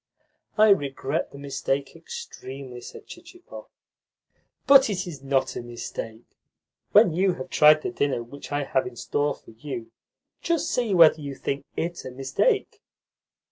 "I regret the mistake extremely," said Chichikov. "But it is not a mistake. When you have tried the dinner which I have in store for you, just see whether you think IT a mistake.